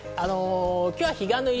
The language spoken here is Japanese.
今日は彼岸の入り、